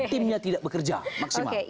timnya tidak bekerja maksimal